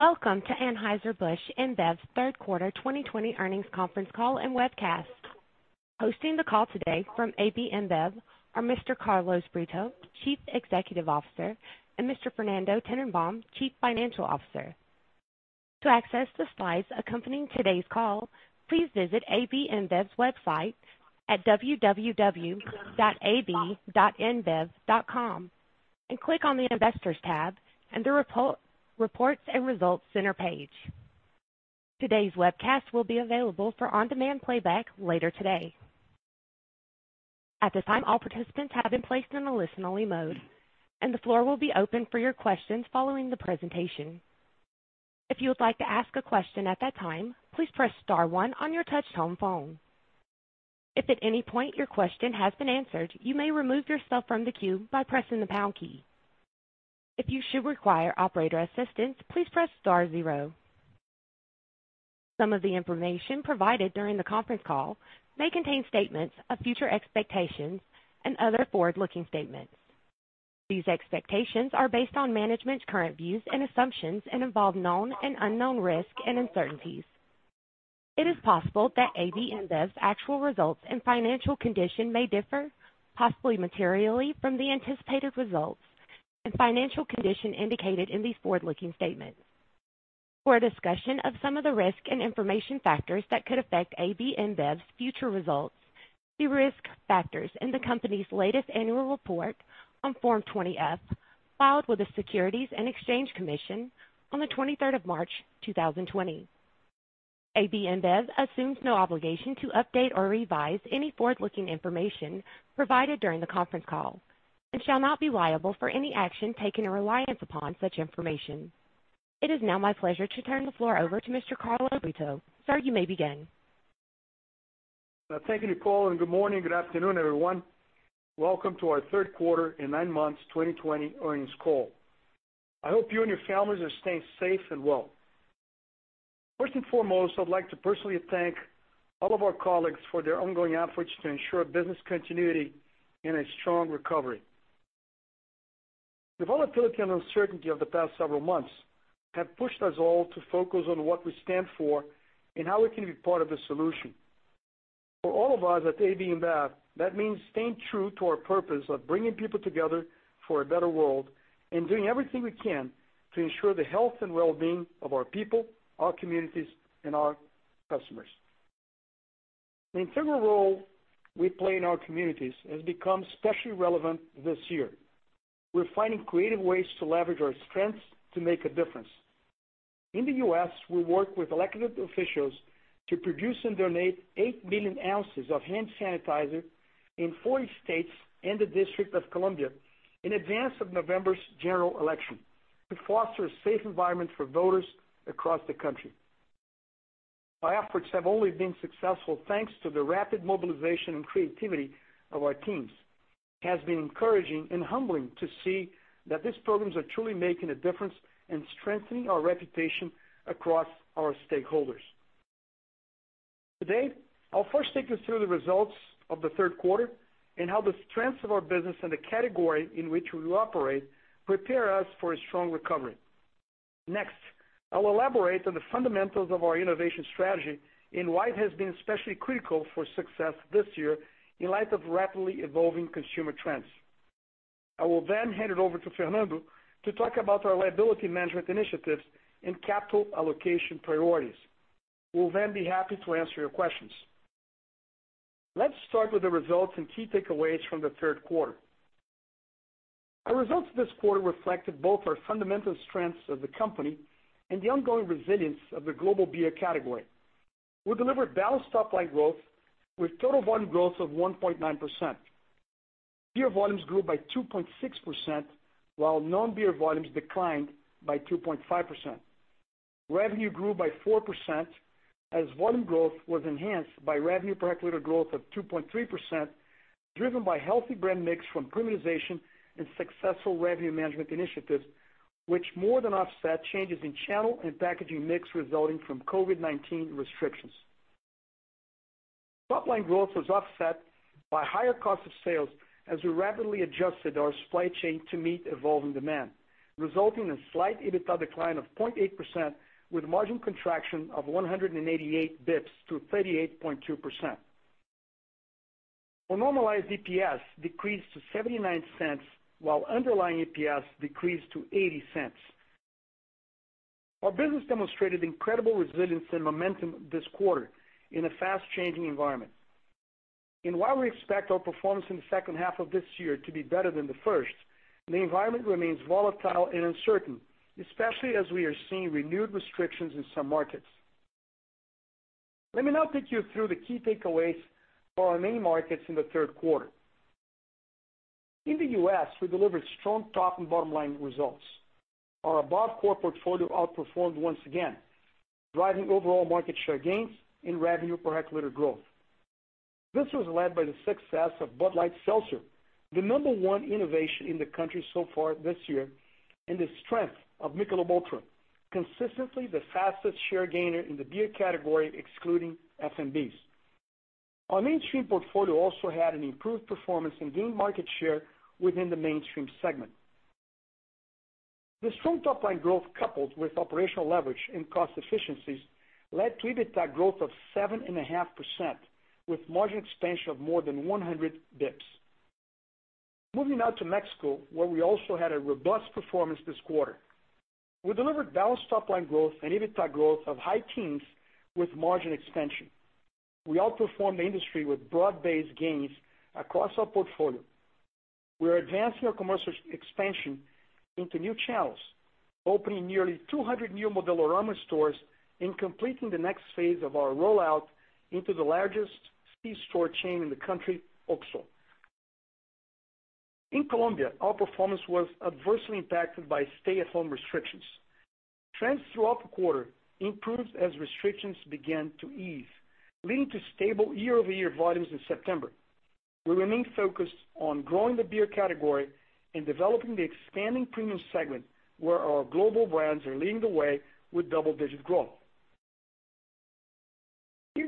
Welcome to Anheuser-Busch InBev's third quarter 2020 earnings conference call and webcast. Hosting the call today from AB InBev are Mr. Carlos Brito, Chief Executive Officer, and Mr. Fernando Tennenbaum, Chief Financial Officer. To access the slides accompanying today's call, please visit AB InBev's website at www.ab.inbev.com and click on the Investors tab and the Reports and Results Center page. Today's webcast will be available for on-demand playback later today. At this time, all participants have been placed in a listen-only mode, and the floor will be open for your questions following the presentation. If you would like to ask a question at that time, please press star one on your touchtone phone. If at any point your question has been answered, you may remove yourself from the queue by pressing the pound key. If you should require operator assistance, please press star zero. Some of the information provided during the conference call may contain statements of future expectations and other forward-looking statements. These expectations are based on management's current views and assumptions and involve known and unknown risks and uncertainties. It is possible that AB InBev's actual results and financial condition may differ, possibly materially, from the anticipated results and financial condition indicated in these forward-looking statements. For a discussion of some of the risk and information factors that could affect AB InBev's future results, see risk factors in the company's latest annual report on Form 20-F, filed with the Securities and Exchange Commission on the 23rd of March 2020. AB InBev assumes no obligation to update or revise any forward-looking information provided during the conference call and shall not be liable for any action taken in reliance upon such information. It is now my pleasure to turn the floor over to Mr. Carlos Brito. Sir, you may begin. Thank you, Nicole, and good morning, good afternoon, everyone. Welcome to our third quarter in nine months 2020 earnings call. I hope you and your families are staying safe and well. First and foremost, I'd like to personally thank all of our colleagues for their ongoing efforts to ensure business continuity and a strong recovery. The volatility and uncertainty of the past several months have pushed us all to focus on what we stand for and how we can be part of the solution. For all of us at AB InBev, that means staying true to our purpose of bringing people together for a better world and doing everything we can to ensure the health and wellbeing of our people, our communities, and our customers. The integral role we play in our communities has become especially relevant this year. We're finding creative ways to leverage our strengths to make a difference. In the U.S., we worked with elected officials to produce and donate 8 million ounces of hand sanitizer in 40 states and the District of Columbia in advance of November's general election to foster a safe environment for voters across the country. Our efforts have only been successful thanks to the rapid mobilization and creativity of our teams. It has been encouraging and humbling to see that these programs are truly making a difference and strengthening our reputation across our stakeholders. Today, I'll first take you through the results of the third quarter and how the strengths of our business and the category in which we operate prepare us for a strong recovery. Next, I will elaborate on the fundamentals of our innovation strategy and why it has been especially critical for success this year in light of rapidly evolving consumer trends. I will then hand it over to Fernando to talk about our liability management initiatives and capital allocation priorities. We'll be happy to answer your questions. Let's start with the results and key takeaways from the third quarter. Our results this quarter reflected both our fundamental strengths of the company and the ongoing resilience of the global Beer category. We delivered balanced top line growth with total volume growth of 1.9%. Beer volumes grew by 2.6%, while non-Beer volumes declined by 2.5%. Revenue grew by 4% as volume growth was enhanced by revenue per hectolitre growth of 2.3%, driven by healthy brand mix from premiumization and successful revenue management initiatives, which more than offset changes in channel and packaging mix resulting from COVID-19 restrictions. Top-line growth was offset by higher cost of sales as we rapidly adjusted our supply chain to meet evolving demand, resulting in a slight EBITDA decline of 0.8% with margin contraction of 188 basis points to 38.2%. Our normalized EPS decreased to $0.79 while underlying EPS decreased to $0.80. Our business demonstrated incredible resilience and momentum this quarter in a fast-changing environment. While we expect our performance in the second half of this year to be better than the first, the environment remains volatile and uncertain, especially as we are seeing renewed restrictions in some markets. Let me now take you through the key takeaways for our main markets in the third quarter. In the U.S., we delivered strong top and bottom-line results. Our above-core portfolio outperformed once again, driving overall market share gains and revenue per hectoliter growth. This was led by the success of Bud Light Seltzer, the number one innovation in the country so far this year, and the strength of Michelob ULTRA, consistently the fastest share gainer in the Beer category excluding FMBs. Our mainstream portfolio also had an improved performance in gaining market share within the mainstream segment. The strong top-line growth, coupled with operational leverage and cost efficiencies, led to EBITDA growth of 7.5% with margin expansion of more than 100 basis points. Moving now to Mexico, where we also had a robust performance this quarter. We delivered balanced top-line growth and EBITDA growth of high teens with margin expansion. We outperformed the industry with broad-based gains across our portfolio. We're advancing our commercial expansion into new channels, opening nearly 200 new Modelorama stores and completing the next phase of our rollout into the largest c-store chain in the country, OXXO. In Colombia, our performance was adversely impacted by stay-at-home restrictions. Trends throughout the quarter improved as restrictions began to ease, leading to stable year-over-year volumes in September. We remain focused on growing the Beer category and developing the expanding premium segment, where our global brands are leading the way with double-digit growth.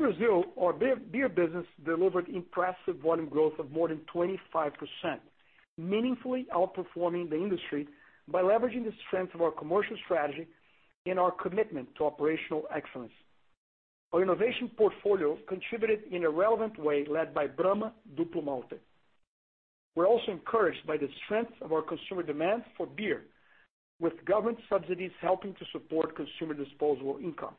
In Brazil, our Beer business delivered impressive volume growth of more than 25%, meaningfully outperforming the industry by leveraging the strength of our commercial strategy and our commitment to operational excellence. Our innovation portfolio contributed in a relevant way, led by Brahma Duplo Malte. We're also encouraged by the strength of our consumer demand for Beer, with government subsidies helping to support consumer disposable income.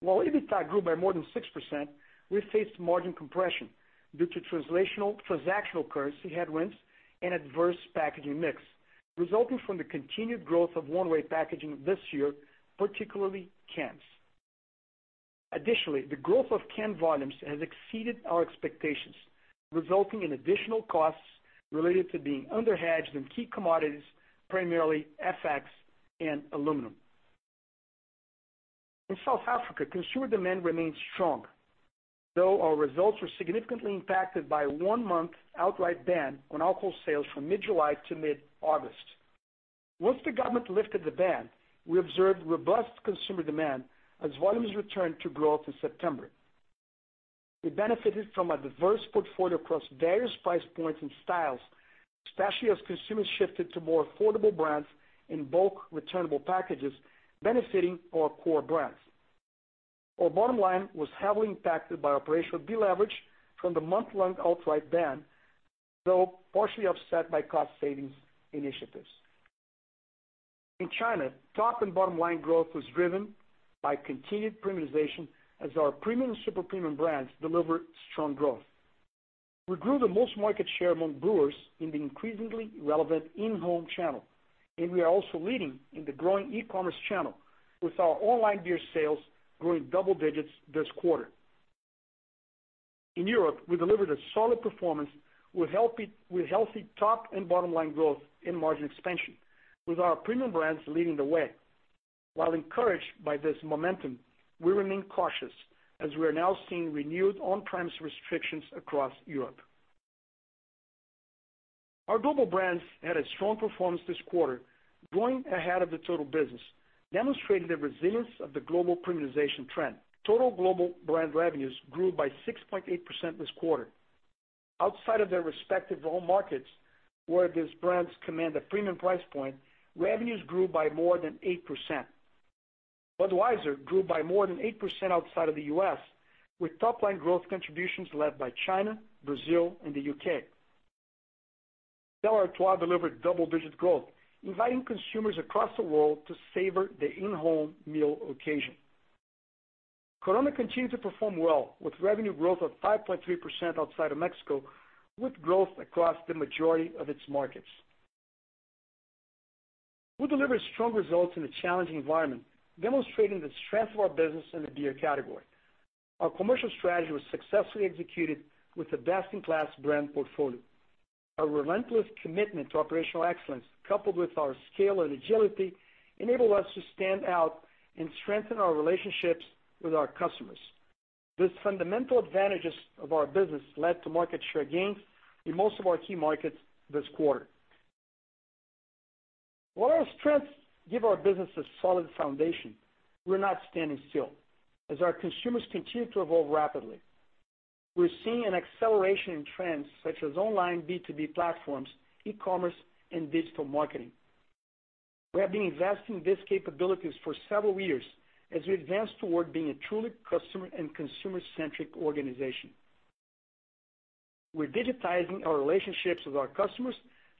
While EBITDA grew by more than 6%, we faced margin compression due to translational, transactional currency headwinds and adverse packaging mix resulting from the continued growth of one-way packaging this year, particularly cans. Additionally, the growth of canned volumes has exceeded our expectations, resulting in additional costs related to being under-hedged in key commodities, primarily FX and aluminum. In South Africa, consumer demand remains strong. Though our results were significantly impacted by a one-month outright ban on alcohol sales from mid-July to mid-August. Once the government lifted the ban, we observed robust consumer demand as volumes returned to growth in September. We benefited from a diverse portfolio across various price points and styles, especially as consumers shifted to more affordable brands in bulk returnable packages, benefiting our core brands. Our bottom line was heavily impacted by operational deleverage from the month-long outright ban, though partially offset by cost savings initiatives. In China, top and bottom line growth was driven by continued premiumization as our premium and super premium brands delivered strong growth. We grew the most market share among brewers in the increasingly relevant in-home channel, and we are also leading in the growing e-commerce channel, with our online Beer sales growing double digits this quarter. In Europe, we delivered a solid performance with healthy top and bottom line growth and margin expansion with our premium brands leading the way. While encouraged by this momentum, we remain cautious as we are now seeing renewed on-premise restrictions across Europe. Our global brands had a strong performance this quarter, growing ahead of the total business, demonstrating the resilience of the global premiumization trend. Total global brand revenues grew by 6.8% this quarter. Outside of their respective home markets, where these brands command a premium price point, revenues grew by more than 8%. Budweiser grew by more than 8% outside of the U.S., with top-line growth contributions led by China, Brazil, and the U.K. Stella Artois delivered double-digit growth, inviting consumers across the world to savor the in-home meal occasion. Corona continued to perform well, with revenue growth of 5.3% outside of Mexico, with growth across the majority of its markets. We delivered strong results in a challenging environment, demonstrating the strength of our business in the Beer category. Our commercial strategy was successfully executed with a best-in-class brand portfolio. Our relentless commitment to operational excellence, coupled with our scale and agility, enabled us to stand out and strengthen our relationships with our customers. These fundamental advantages of our business led to market share gains in most of our key markets this quarter. While our strengths give our business a solid foundation, we're not standing still, as our consumers continue to evolve rapidly. We're seeing an acceleration in trends such as online B2B platforms, e-commerce, and digital marketing. We have been investing in these capabilities for several years as we advance toward being a truly customer and consumer-centric organization. We're digitizing our relationships with our customers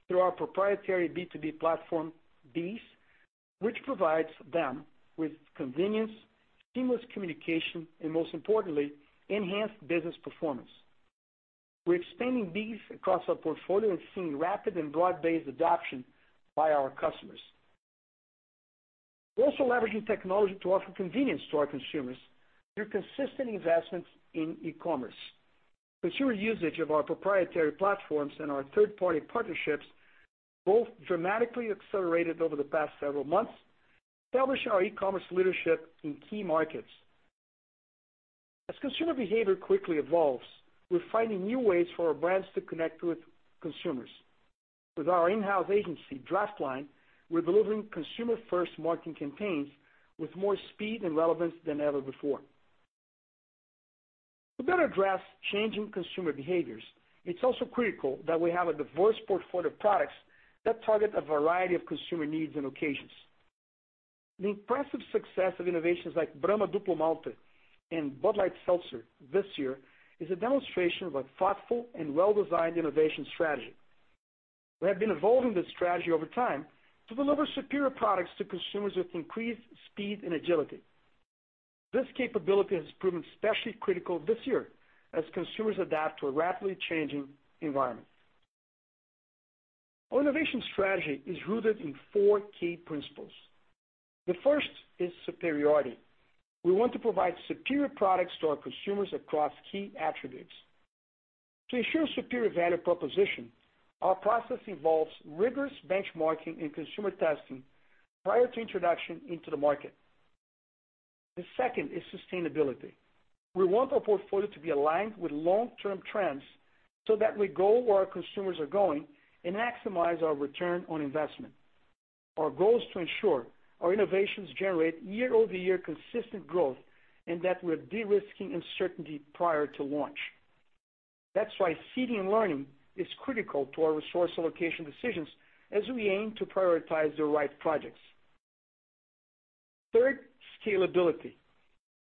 through our proprietary B2B platform, BEES, which provides them with convenience, seamless communication, and most importantly, enhanced business performance. We're expanding BEES across our portfolio and seeing rapid and broad-based adoption by our customers. We're also leveraging technology to offer convenience to our consumers through consistent investments in e-commerce. Consumer usage of our proprietary platforms and our third-party partnerships both dramatically accelerated over the past several months, establishing our e-commerce leadership in key markets. Consumer behavior quickly evolves, we're finding new ways for our brands to connect with consumers. With our in-house agency, draftLine, we're delivering consumer-first marketing campaigns with more speed and relevance than ever before. To better address changing consumer behaviors, it's also critical that we have a diverse portfolio of products that target a variety of consumer needs and occasions. The impressive success of innovations like Brahma Duplo Malte and Bud Light Seltzer this year is a demonstration of a thoughtful and well-designed innovation strategy. We have been evolving this strategy over time to deliver superior products to consumers with increased speed and agility. This capability has proven especially critical this year as consumers adapt to a rapidly changing environment. Our innovation strategy is rooted in four key principles. The first is superiority. We want to provide superior products to our consumers across key attributes. To ensure superior value proposition, our process involves rigorous benchmarking and consumer testing prior to introduction into the market. The second is sustainability. We want our portfolio to be aligned with long-term trends so that we go where our consumers are going and maximize our return on investment. Our goal is to ensure our innovations generate year-over-year consistent growth and that we're de-risking uncertainty prior to launch. That's why seeding and learning is critical to our resource allocation decisions as we aim to prioritize the right projects. Third, scalability.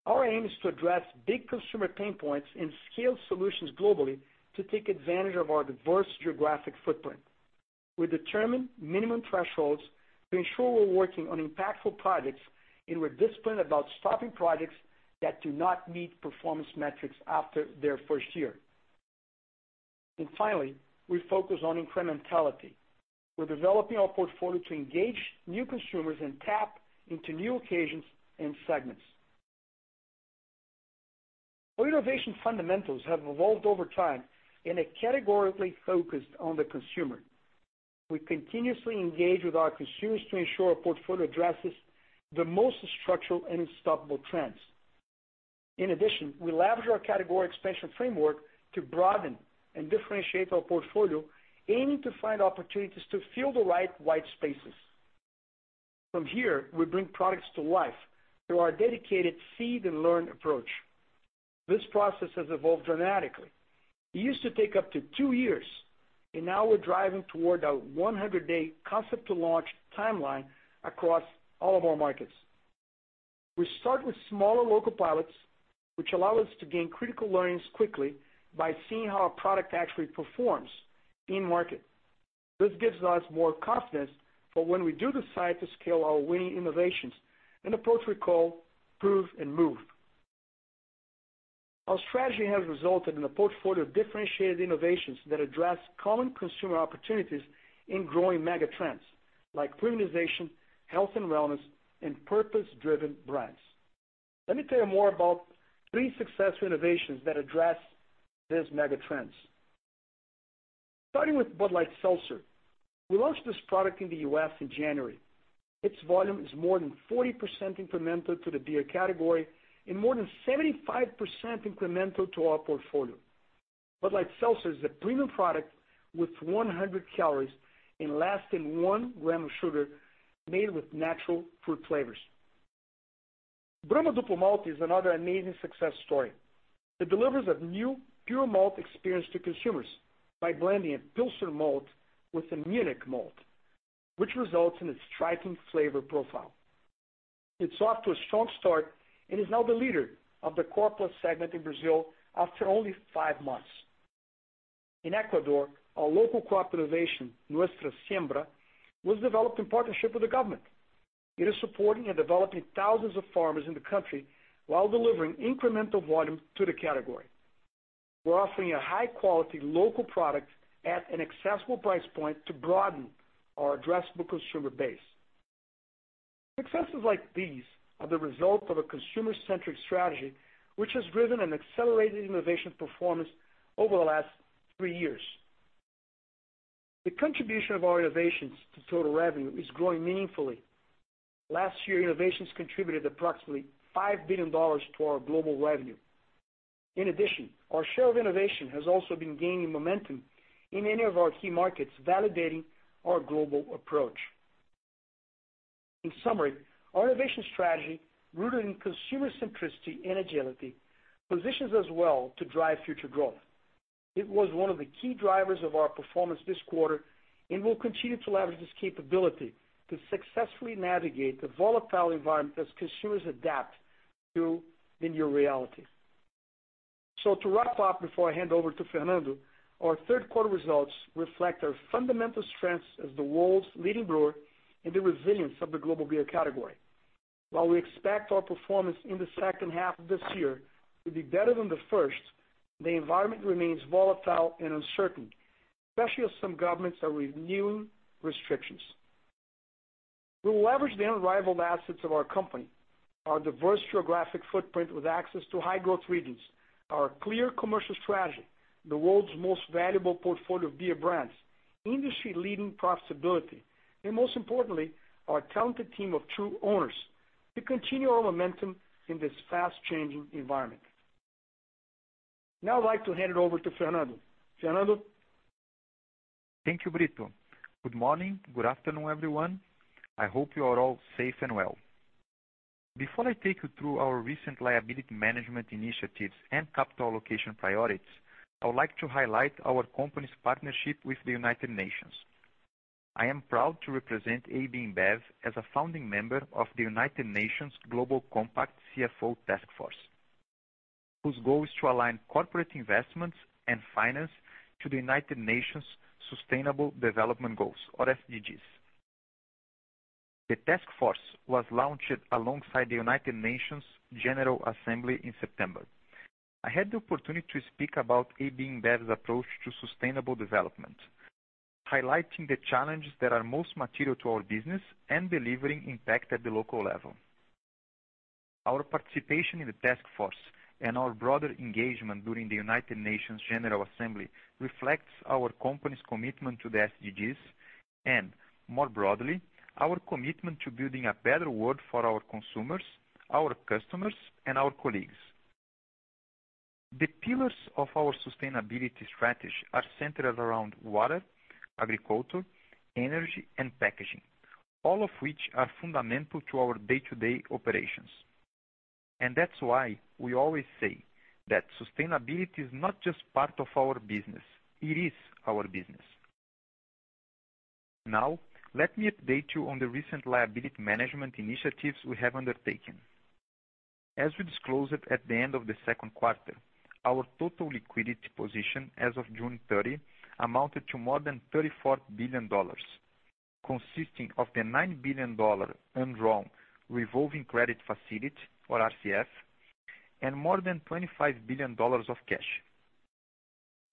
Our aim is to address big consumer pain points and scale solutions globally to take advantage of our diverse geographic footprint. We determine minimum thresholds to ensure we're working on impactful projects, and we're disciplined about stopping projects that do not meet performance metrics after their first year. Finally, we focus on incrementality. We're developing our portfolio to engage new consumers and tap into new occasions and segments. Our innovation fundamentals have evolved over time and are categorically focused on the consumer. We continuously engage with our consumers to ensure our portfolio addresses the most structural and unstoppable trends. In addition, we leverage our category expansion framework to broaden and differentiate our portfolio, aiming to find opportunities to fill the right white spaces. From here, we bring products to life through our dedicated seed and learn approach. This process has evolved dramatically. It used to take up to two years, and now we're driving toward a 100-day concept-to-launch timeline across all of our markets. We start with smaller local pilots, which allow us to gain critical learnings quickly by seeing how a product actually performs in market. This gives us more confidence for when we do decide to scale our winning innovations, an approach we call prove and move. Our strategy has resulted in a portfolio of differentiated innovations that address common consumer opportunities in growing mega trends like premiumization, health and wellness, and purpose-driven brands. Let me tell you more about three success innovations that address these mega trends. Starting with Bud Light Seltzer. We launched this product in the U.S. in January. Its volume is more than 40% incremental to the Beer category and more than 75% incremental to our portfolio. Bud Light Seltzer is a premium product with 100 calories and less than one gram of sugar, made with natural fruit flavors. Brahma Duplo Malte is another amazing success story. It delivers a new pure malt experience to consumers by blending a Pilsner malt with a Munich malt, which results in a striking flavor profile. It's off to a strong start and is now the leader of the core plus segment in Brazil after only five months. In Ecuador, our local crop innovation, Nuestra Siembra, was developed in partnership with the government. It is supporting and developing thousands of farmers in the country while delivering incremental volume to the category. We're offering a high-quality local product at an accessible price point to broaden our addressable consumer base. Successes like these are the result of a consumer-centric strategy, which has driven an accelerated innovation performance over the last three years. The contribution of our innovations to total revenue is growing meaningfully. Last year, innovations contributed approximately $5 billion to our global revenue. In addition, our share of innovation has also been gaining momentum in any of our key markets, validating our global approach. In summary, our innovation strategy, rooted in consumer centricity and agility, positions us well to drive future growth. It was one of the key drivers of our performance this quarter and will continue to leverage this capability to successfully navigate the volatile environment as consumers adapt to the new reality. To wrap up, before I hand over to Fernando, our third quarter results reflect our fundamental strengths as the world's leading brewer and the resilience of the global Beer category. While we expect our performance in the second half of this year to be better than the first, the environment remains volatile and uncertain, especially as some governments are renewing restrictions. We will leverage the unrivaled assets of our company, our diverse geographic footprint with access to high-growth regions, our clear commercial strategy, the world's most valuable portfolio of Beer brands, industry-leading profitability, and most importantly, our talented team of true owners to continue our momentum in this fast-changing environment. Now I'd like to hand it over to Fernando. Fernando? Thank you, Brito. Good morning. Good afternoon, everyone. I hope you are all safe and well. Before I take you through our recent liability management initiatives and capital allocation priorities, I would like to highlight our company's partnership with the United Nations. I am proud to represent AB InBev as a founding member of the United Nations Global Compact CFO Task Force, whose goal is to align corporate investments and finance to the United Nations Sustainable Development Goals, or SDGs. The task force was launched alongside the United Nations General Assembly in September. I had the opportunity to speak about AB InBev's approach to sustainable development, highlighting the challenges that are most material to our business and delivering impact at the local level. Our participation in the task force and our broader engagement during the United Nations General Assembly reflects our company's commitment to the SDGs and, more broadly, our commitment to building a better world for our consumers, our customers and our colleagues. The pillars of our sustainability strategy are centered around water, agriculture, energy and packaging, all of which are fundamental to our day-to-day operations. That is why we always say that sustainability is not just part of our business, it is our business. Now, let me update you on the recent liability management initiatives we have undertaken. As we disclosed at the end of the second quarter, our total liquidity position as of June 30 amounted to more than $34 billion, consisting of the $9 billion undrawn revolving credit facility, or RCF, and more than $25 billion of cash.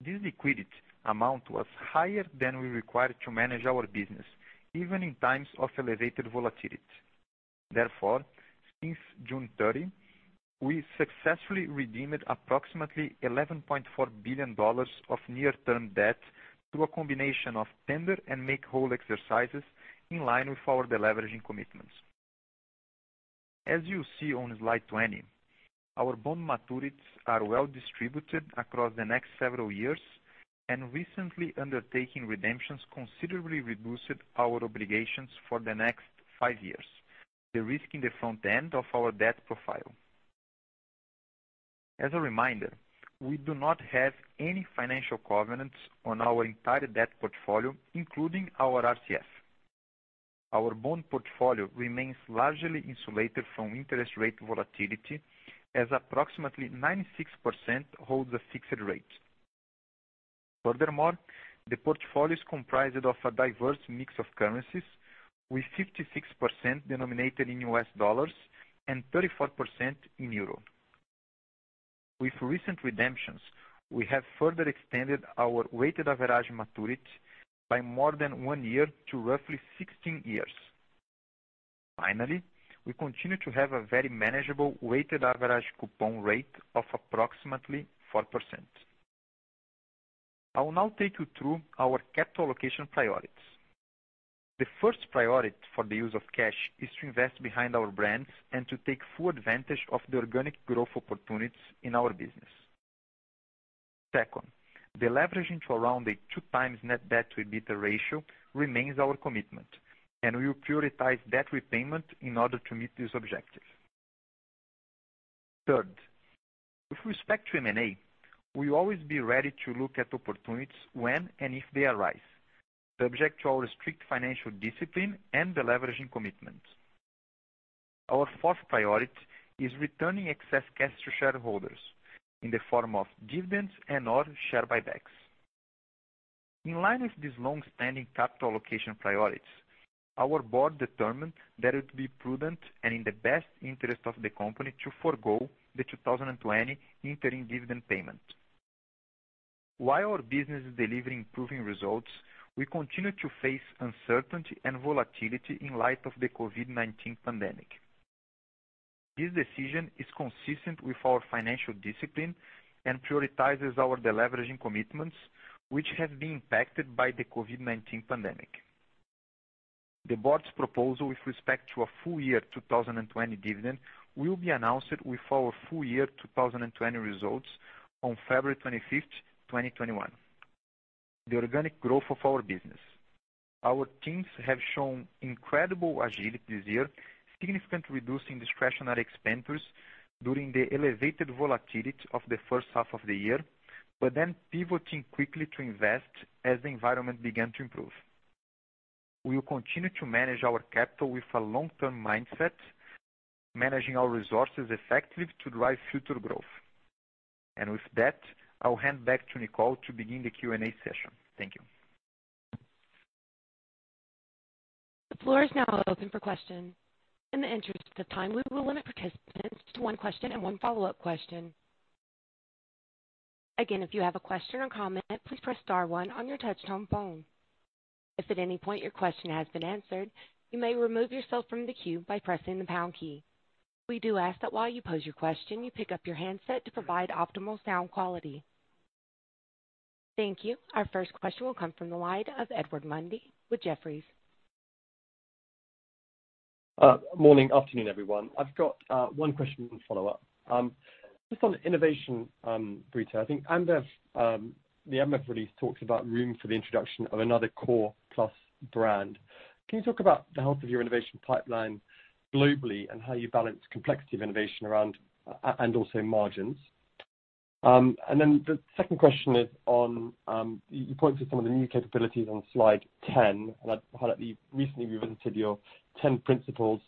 This liquidity amount was higher than we required to manage our business, even in times of elevated volatility. Since June 30, we successfully redeemed approximately $11.4 billion of near-term debt through a combination of tender and make whole exercises in line with our deleveraging commitments. As you see on slide 20, our bond maturities are well distributed across the next several years, recently undertaking redemptions considerably reduced our obligations for the next five years, derisking the front end of our debt profile. As a reminder, we do not have any financial covenants on our entire debt portfolio, including our RCF. Our bond portfolio remains largely insulated from interest rate volatility as approximately 96% holds a fixed rate. The portfolio is comprised of a diverse mix of currencies, with 56% denominated in US dollars and 34% in euro. With recent redemptions, we have further extended our weighted average maturity by more than one year to roughly 16 years. Finally, we continue to have a very manageable weighted average coupon rate of approximately 4%. I will now take you through our capital allocation priorities. The first priority for the use of cash is to invest behind our brands and to take full advantage of the organic growth opportunities in our business. Second, deleveraging to around a 2x net debt to EBITDA ratio remains our commitment, and we will prioritize debt repayment in order to meet this objective. Third, with respect to M&A, we will always be ready to look at opportunities when and if they arise, subject to our strict financial discipline and deleveraging commitments. Our fourth priority is returning excess cash to shareholders in the form of dividends and/or share buybacks. In line with these long-standing capital allocation priorities, our board determined that it would be prudent and in the best interest of the company to forgo the 2020 interim dividend payment. While our business is delivering improving results, we continue to face uncertainty and volatility in light of the COVID-19 pandemic. This decision is consistent with our financial discipline and prioritizes our deleveraging commitments, which have been impacted by the COVID-19 pandemic. The board's proposal with respect to a full year 2020 dividend will be announced with our full year 2020 results on February 25th, 2021. The organic growth of our business. Our teams have shown incredible agility this year, significantly reducing discretionary expenditures during the elevated volatility of the first half of the year, but then pivoting quickly to invest as the environment began to improve. We will continue to manage our capital with a long-term mindset, managing our resources effectively to drive future growth. With that, I'll hand back to Nicole to begin the Q&A session. Thank you. The floor is now open for questions. In the interest of time, we will limit participants to one question and one follow-up question. Again, if you have a question or comment, please press star one on your touchtone phone. If at any point your question has been answered, you may remove yourself from the queue by pressing the pound key. We do ask that while you pose your question, you pick up your handset to provide optimal sound quality. Thank you. Our first question will come from the line of Edward Mundy with Jefferies. Morning, afternoon, everyone. I've got one question and follow-up. Just on innovation, Brito. I think the Ambev release talks about room for the introduction of another core plus brand. Can you talk about the health of your innovation pipeline globally and how you balance complexity of innovation and also margins? The second question is on, you point to some of the new capabilities on slide 10, I'd highlight that you've recently revisited your 10 principles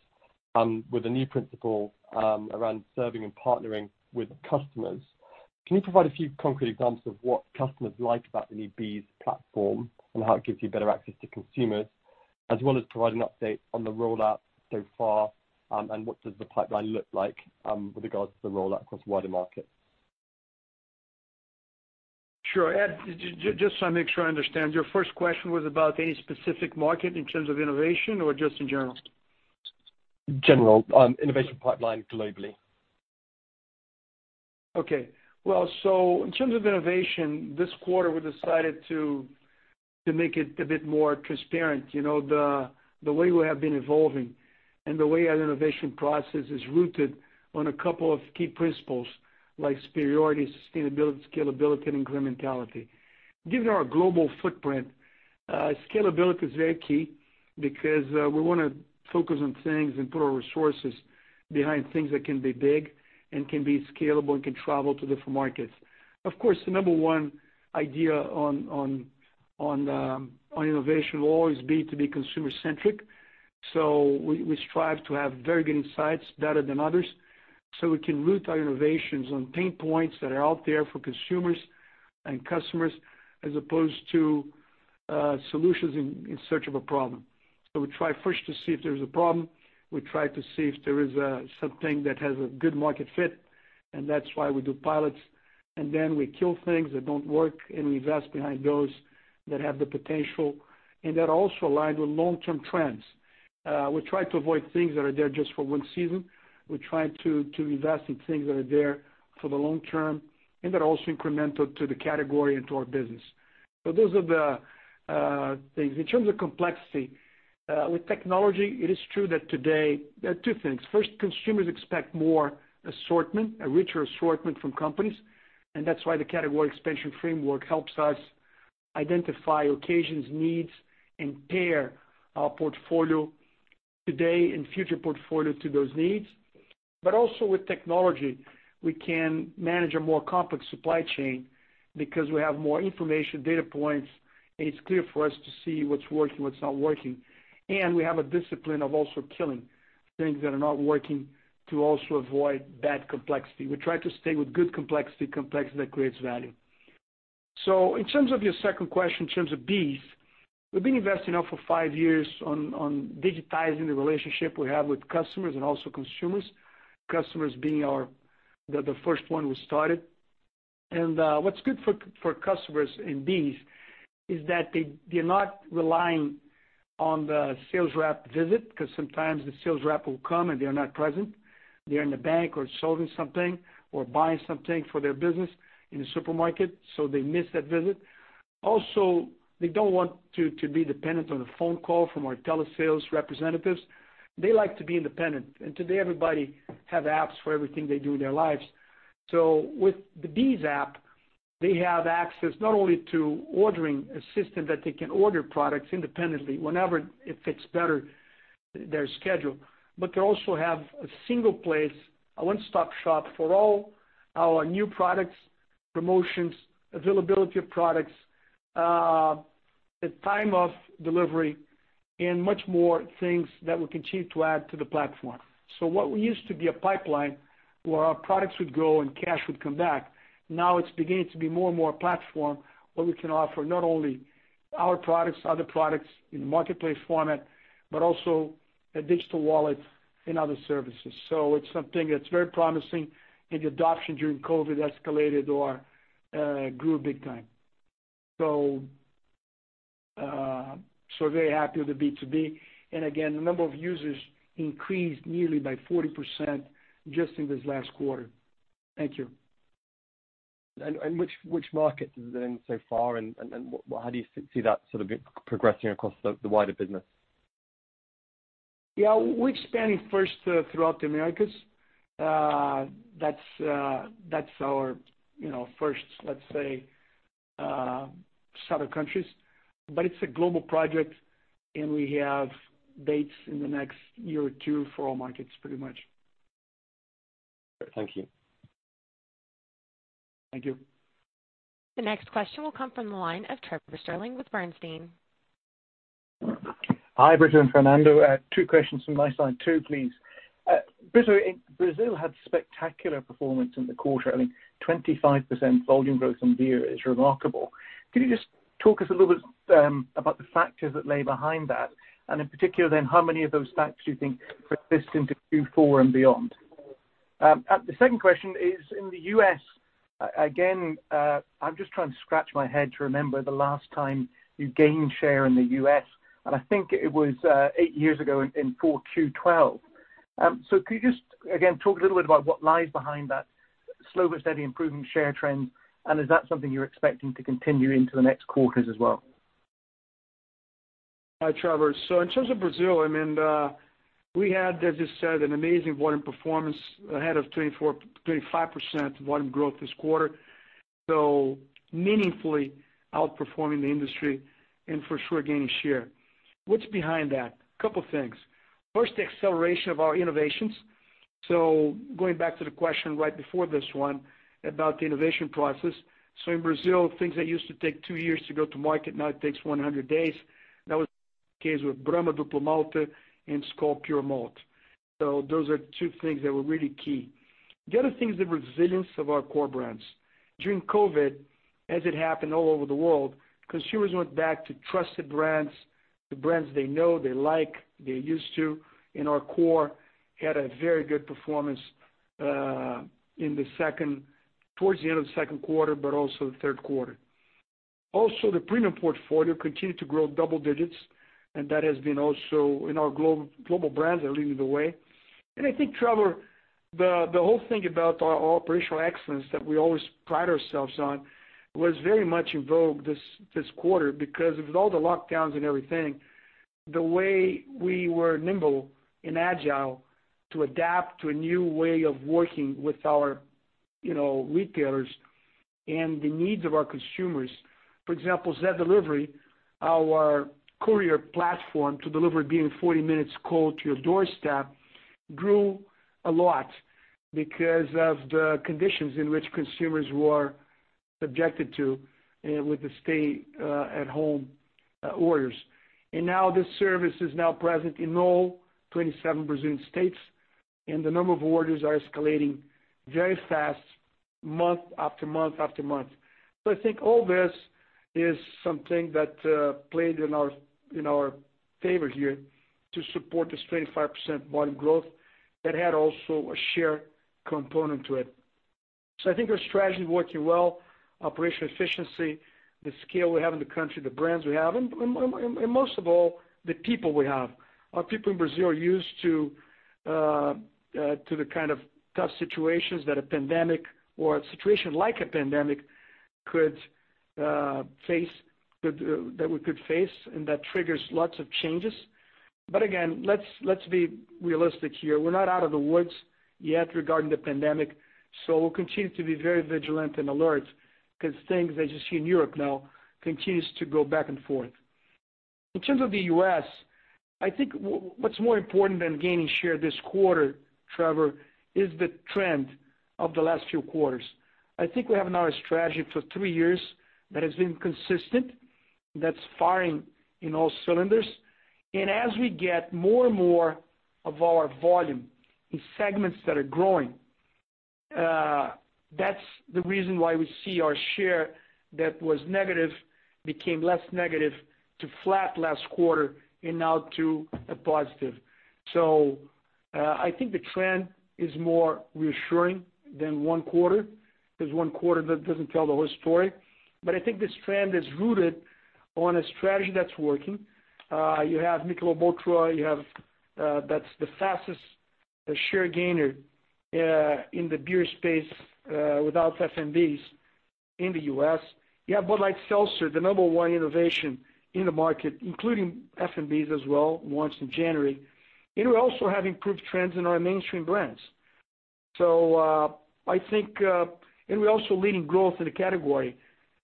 with a new principle around serving and partnering with customers. Can you provide a few concrete examples of what customers like about the new BEES platform and how it gives you better access to consumers, as well as provide an update on the rollout so far, and what does the pipeline look like, with regards to the rollout across the wider market? Sure. Ed, just so I make sure I understand, your first question was about any specific market in terms of innovation or just in general? General, on innovation pipeline globally. Well, in terms of innovation, this quarter, we decided to make it a bit more transparent. The way we have been evolving and the way our innovation process is rooted on a couple of key principles like superiority, sustainability, scalability, and incrementality. Given our global footprint, scalability is very key because we want to focus on things and put our resources behind things that can be big and can be scalable and can travel to different markets. Of course, the number one idea on innovation will always be to be consumer-centric. We strive to have very good insights, better than others, so we can root our innovations on pain points that are out there for consumers and customers, as opposed to solutions in search of a problem. We try first to see if there is a problem. We try to see if there is something that has a good market fit, that's why we do pilots. We kill things that don't work, and we invest behind those that have the potential and that also align with long-term trends. We try to avoid things that are there just for one season. We try to invest in things that are there for the long term and that are also incremental to the category and to our business. Those are the things. In terms of complexity, with technology, it is true that today there are two things. First, consumers expect more assortment, a richer assortment from companies, and that's why the category expansion framework helps us identify occasions, needs, and pair our portfolio today and future portfolio to those needs. Also with technology, we can manage a more complex supply chain because we have more information, data points, and it's clear for us to see what's working, what's not working. We have a discipline of also killing things that are not working to also avoid bad complexity. We try to stay with good complexity that creates value. In terms of your second question, in terms of BEES, we've been investing now for five years on digitizing the relationship we have with customers and also consumers, customers being the first one we started. What's good for customers in BEES is that they're not relying on the sales rep visit, because sometimes the sales rep will come, and they are not present. They're in the bank or selling something or buying something for their business in a supermarket, so they miss that visit. They don't want to be dependent on a phone call from our telesales representatives. They like to be independent, and today everybody have apps for everything they do in their lives. With the BEES app, they have access not only to ordering a system that they can order products independently whenever it fits better their schedule, but they also have a single place, a one-stop shop for all our new products, promotions, availability of products, the time of delivery, and much more things that we continue to add to the platform. What used to be a pipeline where our products would go and cash would come back, now it's beginning to be more and more a platform where we can offer not only our products, other products in the marketplace format, but also a digital wallet and other services. It's something that's very promising, and the adoption during COVID escalated or grew big time. Very happy with the B2B. Again, the number of users increased nearly by 40% just in this last quarter. Thank you. Which market is it in so far, and how do you see that sort of progressing across the wider business? Yeah. We're expanding first throughout the Americas. That's our first, let's say, set of countries. It's a global project, and we have dates in the next year or two for all markets, pretty much. Thank you. Thank you. The next question will come from the line of Trevor Stirling with Bernstein. Hi, Brito and Fernando. two questions from my side too, please. Brito, Brazil had spectacular performance in the quarter. I mean, 25% volume growth in Beer is remarkable. Can you just talk us a little bit about the factors that lay behind that, and in particular, then how many of those factors do you think could persist into Q4 and beyond? The second question is in the U.S., again, I'm just trying to scratch my head to remember the last time you gained share in the U.S., and I think it was eight years ago in Q4 2012. Could you just, again, talk a little bit about what lies behind that slow but steady improving share trend? Is that something you're expecting to continue into the next quarters as well? Hi, Trevor. In terms of Brazil, we had, as you said, an amazing volume performance ahead of 25% volume growth this quarter. Meaningfully outperforming the industry and for sure gaining share. What's behind that? A couple things. First, the acceleration of our innovations. Going back to the question right before this one about the innovation process. In Brazil, things that used to take two years to go to market now takes 100 days. That was the case with Brahma Duplo Malte and Skol Pure Malt. Those are two things that were really key. The other thing is the resilience of our core brands. During COVID, as it happened all over the world, consumers went back to trusted brands, the brands they know, they like, they're used to. Our core had a very good performance towards the end of the second quarter, but also the third quarter. The premium portfolio continued to grow double digits. That has been also in our global brands are leading the way. I think, Trevor, the whole thing about our operational excellence that we always pride ourselves on was very much in vogue this quarter because with all the lockdowns and everything, the way we were nimble and agile to adapt to a new way of working with our retailers and the needs of our consumers. For example, Zé Delivery, our courier platform to deliver Beer 40 minutes cold to your doorstep, grew a lot because of the conditions in which consumers were subjected to with the stay-at-home orders. Now this service is now present in all 27 Brazilian states, and the number of orders are escalating very fast month after month after month. I think all this is something that played in our favor here to support this 25% volume growth that had also a share component to it. I think our strategy is working well, operational efficiency, the scale we have in the country, the brands we have, and most of all, the people we have. Our people in Brazil are used to the kind of tough situations that a pandemic or a situation like a pandemic that we could face, and that triggers lots of changes. Again, let's be realistic here. We're not out of the woods yet regarding the pandemic, so we'll continue to be very vigilant and alert because things, as you see in Europe now, continues to go back and forth. In terms of the U.S., I think what's more important than gaining share this quarter, Trevor, is the trend of the last few quarters. I think we have now a strategy for three years that has been consistent, that's firing in all cylinders. As we get more and more of our volume in segments that are growing, that's the reason why we see our share that was negative became less negative to flat last quarter and now to a positive. I think the trend is more reassuring than one quarter, because one quarter that doesn't tell the whole story. I think this trend is rooted on a strategy that's working. You have Michelob ULTRA, that's the fastest share gainer in the Beer space, without FMBs in the U.S. You have Bud Light Seltzer, the number one innovation in the market, including FMBs as well, launched in January. We also have improved trends in our mainstream brands. We're also leading growth in the category.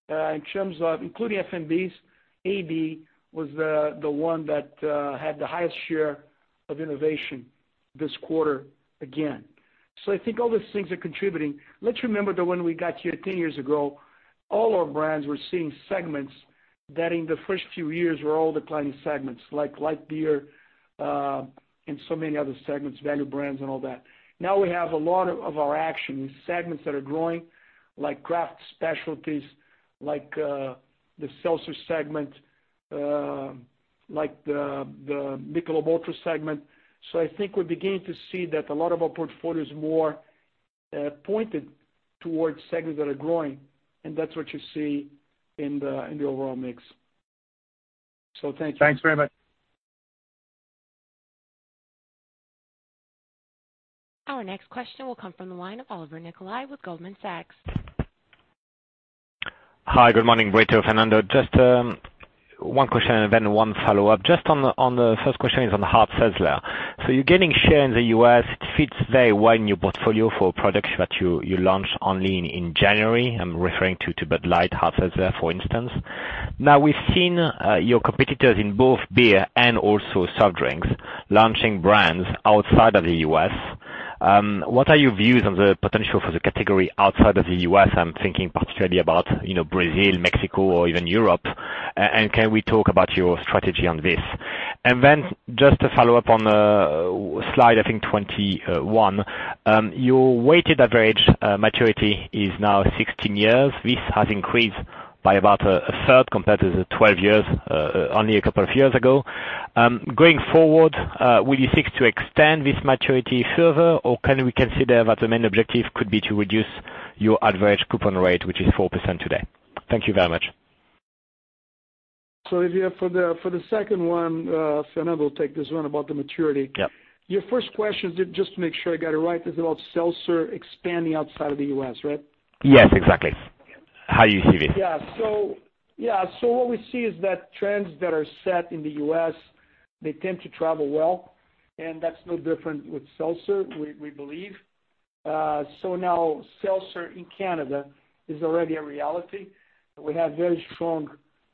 In terms of including FMBs, AB was the one that had the highest share of innovation this quarter again. I think all these things are contributing. Let's remember that when we got here 10 years ago, all our brands were seeing segments that in the first few years were all declining segments, like light Beer, and so many other segments, value brands and all that. We have a lot of our action in segments that are growing, like craft specialties, like the seltzer segment, like the Michelob ULTRA segment. I think we're beginning to see that a lot of our portfolio is more pointed towards segments that are growing, and that's what you see in the overall mix. Thank you. Thanks very much. Our next question will come from the line of Olivier Nicolai with Goldman Sachs. Hi, good morning, Brito or Fernando. Just one question, then one follow-up. Just on the first question is on the hard seltzer. You're gaining share in the U.S. It fits very well in your portfolio for products that you launched only in January. I'm referring to Bud Light Hard Seltzer, for instance. We've seen your competitors in both Beer and also soft drinks launching brands outside of the U.S. What are your views on the potential for the category outside of the U.S.? I'm thinking particularly about Brazil, Mexico or even Europe. Can we talk about your strategy on this? Then just to follow up on slide, I think 21. Your weighted average maturity is now 16 years. This has increased by about a third compared to the 12 years, only a couple of years ago. Going forward, will you seek to extend this maturity further, or can we consider that the main objective could be to reduce your average coupon rate, which is 4% today? Thank you very much. If you have for the second one, Fernando will take this one about the maturity. Yep. Your first question, just to make sure I got it right, is about seltzer expanding outside of the U.S., right? Yes, exactly. How you see it. Yeah. What we see is that trends that are set in the U.S., they tend to travel well, and that's no different with seltzer, we believe. Now seltzer in Canada is already a reality. We have very strong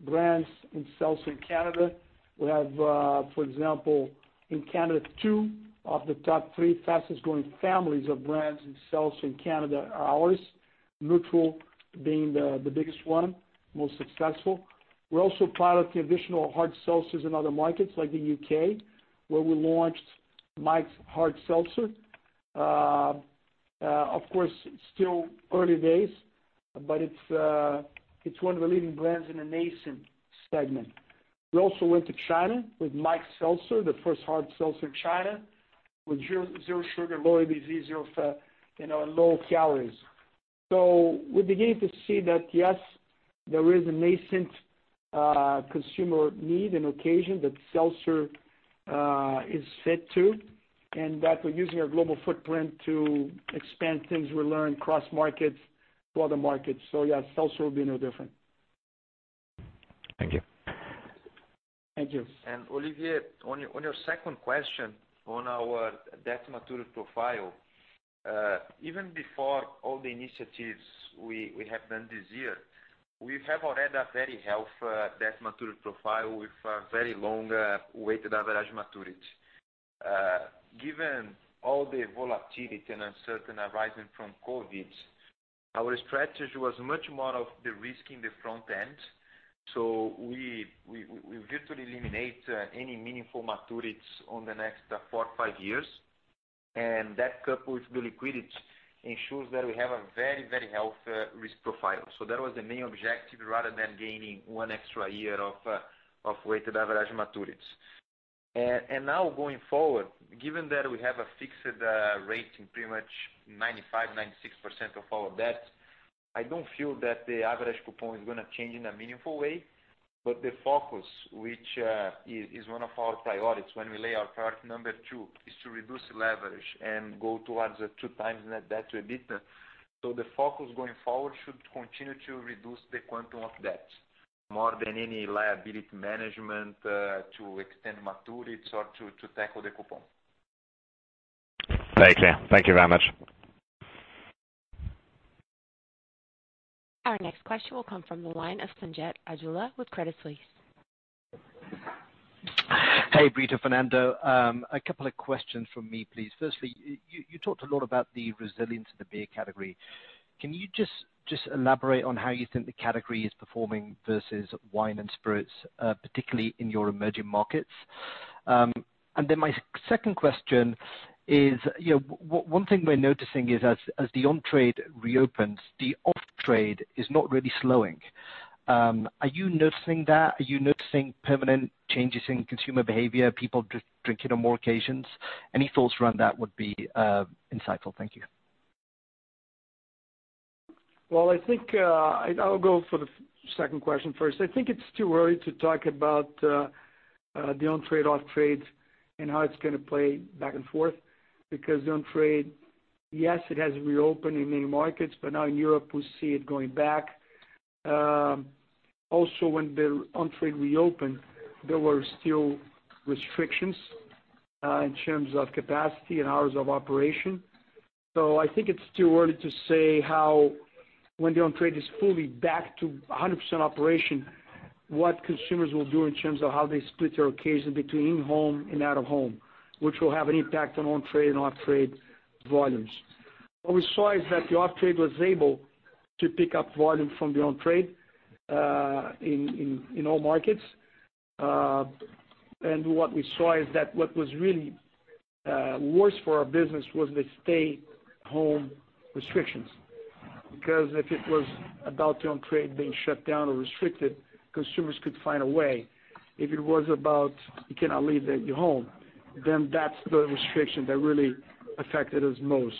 brands in seltzer in Canada. We have, for example, in Canada, two of the top three fastest-growing families of brands in seltzer in Canada are ours. Nutrl being the biggest one, most successful. We're also proud of the additional hard seltzers in other markets like the U.K., where we launched Mike's Hard Seltzer. Of course, it's still early days, but it's one of the leading brands in the nascent segment. We also went to China with Mike's Seltzer, the first hard seltzer in China with zero sugar, low ABV, zero fat, and low calories. We're beginning to see that, yes, there is a nascent consumer need and occasion that seltzer is fit to, and that we're using our global footprint to expand things we learn cross-markets to other markets. Yeah, seltzer will be no different. Thank you. Thank you. Olivier, on your second question on our debt maturity profile. Even before all the initiatives we have done this year, we have already a very healthy debt maturity profile with a very long weighted average maturity. Given all the volatility and uncertainty arising from COVID, our strategy was much more of the risk in the front end. We virtually eliminate any meaningful maturities on the next four or five years. That, coupled with the liquidity, ensures that we have a very healthy risk profile. That was the main objective rather than gaining one extra year of weighted average maturities. Now going forward, given that we have a fixed rate in pretty much 95%, 96% of our debt, I don't feel that the average coupon is going to change in a meaningful way. The focus, which is one of our priorities when we lay our priority number two is to reduce leverage and go towards 2x net debt to EBITDA. The focus going forward should continue to reduce the quantum of debt more than any liability management to extend maturities or to tackle the coupon. Thank you. Thank you very much. Our next question will come from the line of Sanjeet Aujla with Credit Suisse. Hey, Brito, Fernando. A couple of questions from me, please. Firstly, you talked a lot about the resilience of the Beer category. Can you just elaborate on how you think the category is performing versus wine and spirits, particularly in your emerging markets? My second question is, one thing we're noticing is as the on-trade reopens, the off-trade is not really slowing. Are you noticing that? Are you noticing permanent changes in consumer behavior, people drinking on more occasions? Any thoughts around that would be insightful. Thank you. Well, I think I'll go for the second question first. I think it's too early to talk about the on-trade, off-trade and how it's going to play back and forth, because the on-trade, yes, it has reopened in many markets, but now in Europe we see it going back. When the on-trade reopened, there were still restrictions in terms of capacity and hours of operation. I think it's too early to say how when the on-trade is fully back to 100% operation, what consumers will do in terms of how they split their occasion between in home and out of home, which will have an impact on on-trade and off-trade volumes. What we saw is that the off-trade was able to pick up volume from the on-trade in all markets. What we saw is that what was really worse for our business was the stay home restrictions. If it was about the on-trade being shut down or restricted, consumers could find a way. If it was about you cannot leave your home, that's the restriction that really affected us most.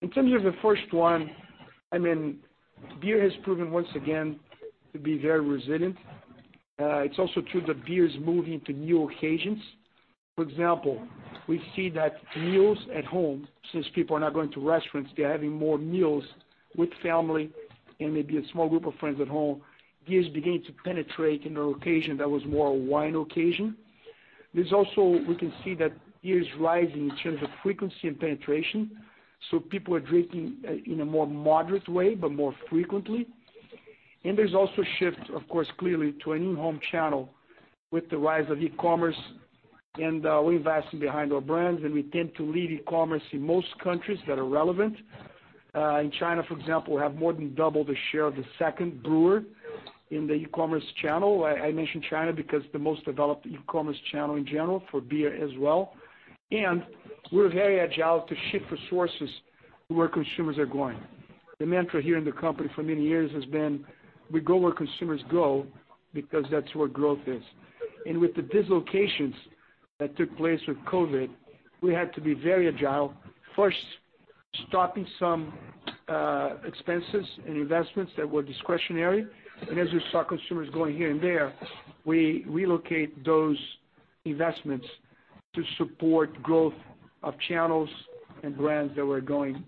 In terms of the first one, Beer has proven once again to be very resilient. It's also true that Beer is moving to new occasions. For example, we see that meals at home, since people are not going to restaurants, they're having more meals with family and maybe a small group of friends at home. Beer is beginning to penetrate in an occasion that was more a wine occasion. There's also, we can see that Beer is rising in terms of frequency and penetration. People are drinking in a more moderate way but more frequently. There's also a shift, of course, clearly to a new home channel with the rise of e-commerce, and we're investing behind our brands, and we tend to lead e-commerce in most countries that are relevant. In China, for example, we have more than double the share of the second brewer in the e-commerce channel. I mention China because the most developed e-commerce channel in general for Beer as well. We're very agile to shift resources where consumers are going. The mantra here in the company for many years has been, we go where consumers go because that's where growth is. With the dislocations that took place with COVID, we had to be very agile, first, stopping some expenses and investments that were discretionary, and as we saw consumers going here and there, we relocate those investments to support growth of channels and brands that were growing.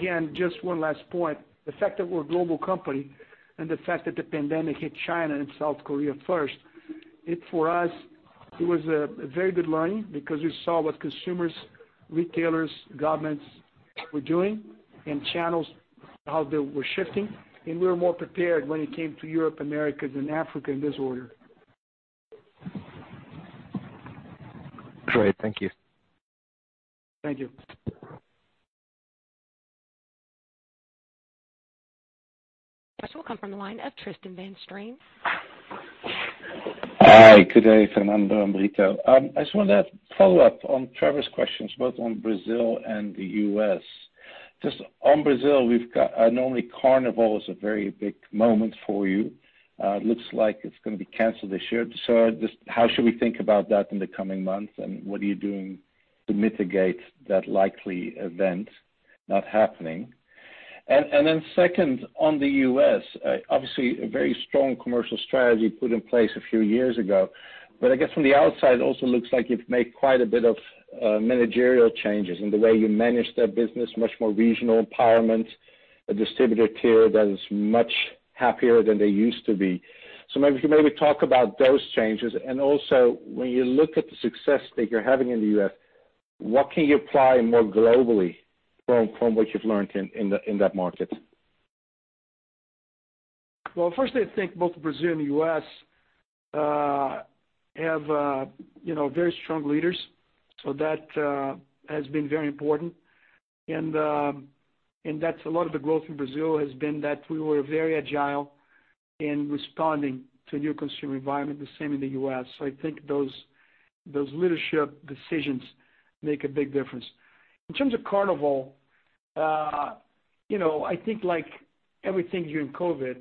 Again, just one last point. The fact that we're a global company and the fact that the pandemic hit China and South Korea first, it for us, it was a very good learning because we saw what consumers, retailers, governments were doing, and channels, how they were shifting, and we were more prepared when it came to Europe, America, then Africa, in this order. Great. Thank you. Thank you. Next will come from the line of Tristan Van Strien. Hi. Good day, Fernando and Brito. I just wanted to follow up on Trevor's questions, both on Brazil and the U.S. Just on Brazil, normally Carnival is a very big moment for you. It looks like it's going to be canceled this year. Just how should we think about that in the coming months, and what are you doing to mitigate that likely event not happening? Then second, on the U.S., obviously a very strong commercial strategy put in place a few years ago, but I guess from the outside also looks like you've made quite a bit of managerial changes in the way you manage that business, much more regional empowerment, a distributor tier that is much happier than they used to be. Maybe you can talk about those changes, and also when you look at the success that you're having in the U.S., what can you apply more globally from what you've learned in that market? Well, firstly, I think both Brazil and the U.S. have very strong leaders. That has been very important, and that's a lot of the growth in Brazil has been that we were very agile in responding to new consumer environment, the same in the U.S. I think those leadership decisions make a big difference. In terms of Carnival, I think like everything during COVID,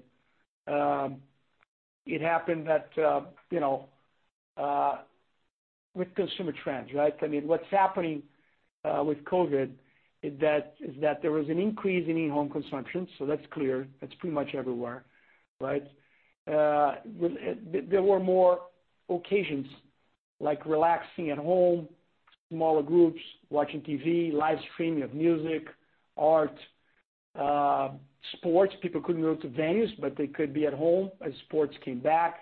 it happened that with consumer trends, right? What's happening with COVID is that there was an increase in in-home consumption, so that's clear. That's pretty much everywhere, right? There were more occasions like relaxing at home, smaller groups, watching TV, live streaming of music, art, sports. People couldn't go to venues, but they could be at home as sports came back.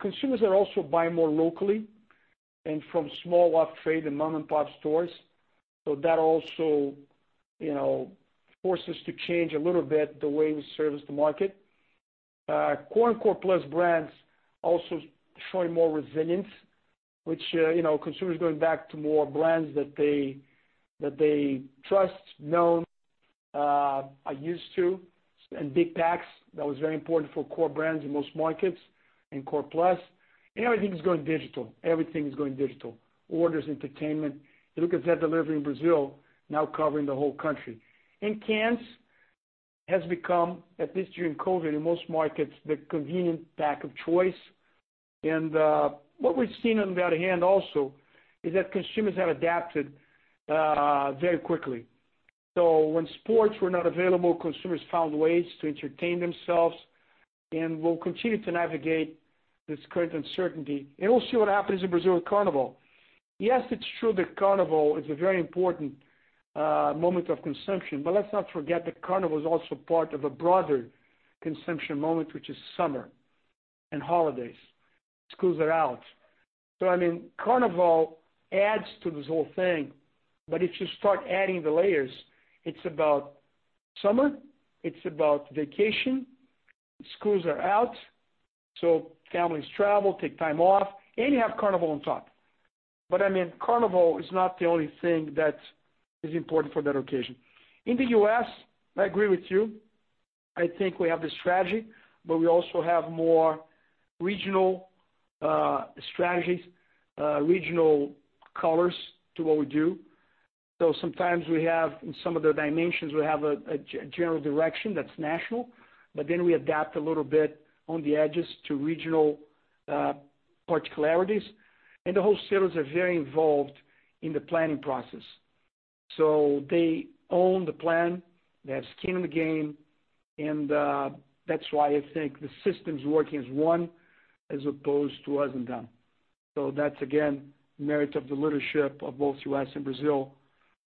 Consumers are also buying more locally and from small off-trade and mom-and-pop stores. That also forced us to change a little bit the way we service the market. Core and Core plus brands also showing more resilience, which consumers going back to more brands that they trust, known, are used to, and big packs. That was very important for core brands in most markets and core plus. Everything's going digital. Everything is going digital. Orders, entertainment. Look at Zé Delivery in Brazil now covering the whole country. Cans has become, at least during COVID, in most markets, the convenient pack of choice. What we've seen on the other hand also is that consumers have adapted very quickly. When sports were not available, consumers found ways to entertain themselves and will continue to navigate this current uncertainty. We'll see what happens in Brazil with Carnival. It's true that Carnival is a very important moment of consumption, let's not forget that Carnival is also part of a broader consumption moment, which is summer and holidays. Schools are out. Carnival adds to this whole thing, if you start adding the layers, it's about summer, it's about vacation, schools are out, families travel, take time off, you have Carnival on top. Carnival is not the only thing that is important for that occasion. In the U.S., I agree with you. I think we have the strategy, we also have more regional strategies, regional colors to what we do. Sometimes we have, in some of the dimensions, we have a general direction that's national, we adapt a little bit on the edges to regional particularities. The wholesalers are very involved in the planning process. They own the plan, they have skin in the game, and that's why I think the system's working as one as opposed to as and done. That's, again, merit of the leadership of both U.S. and Brazil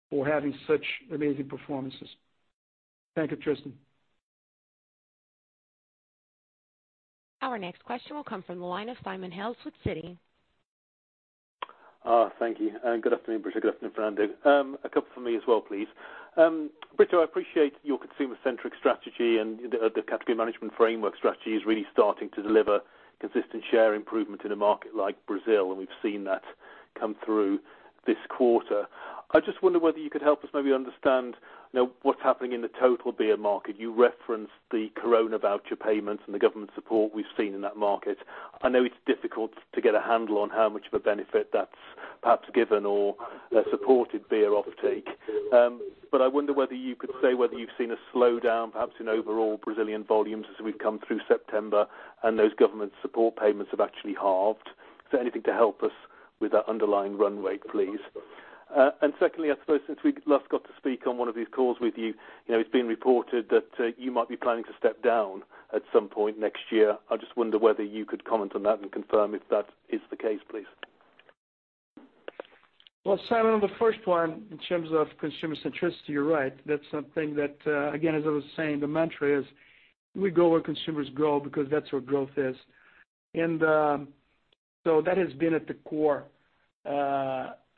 for having such amazing performances. Thank you, Tristan. Our next question will come from the line of Simon Hales with Citi. Thank you. Good afternoon, Brito. Good afternoon, Fernando. A couple from me as well, please. Brito, I appreciate your consumer-centric strategy and the category management framework strategy is really starting to deliver consistent share improvement in a market like Brazil, and we've seen that come through this quarter. I just wonder whether you could help us maybe understand now what's happening in the total Beer market. You referenced the Coronavoucher payments and the government support we've seen in that market. I know it's difficult to get a handle on how much of a benefit that's perhaps given or supported Beer offtake. I wonder whether you could say whether you've seen a slowdown perhaps in overall Brazilian volumes as we've come through September and those government support payments have actually halved. Is there anything to help us with that underlying runway, please. Secondly, I suppose since we last got to speak on one of these calls with you, it's been reported that you might be planning to step down at some point next year. I just wonder whether you could comment on that and confirm if that is the case, please. Simon, on the first one, in terms of consumer centricity, you're right. That's something that, again, as I was saying, the mantra is, we go where consumers go because that's where growth is. That has been at the core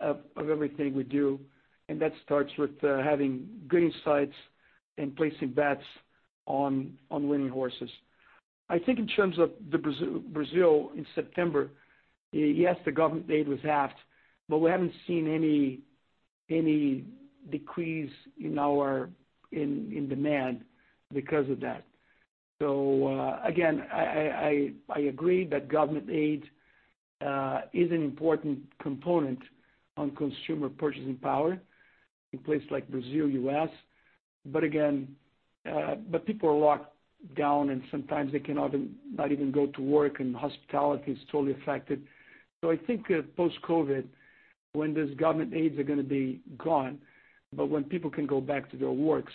of everything we do, and that starts with having green insights and placing bets on winning horses. I think in terms of the Brazil in September, yes, the government aid was halved, but we haven't seen any decrease in demand because of that. Again, I agree that government aid is an important component on consumer purchasing power in places like Brazil, U.S. People are locked down, and sometimes they cannot even go to work, and hospitality is totally affected. I think that post-COVID, when these government aids are going to be gone, but when people can go back to their works,